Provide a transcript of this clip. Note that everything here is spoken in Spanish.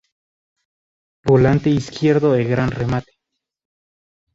Volante izquierdo de gran remate.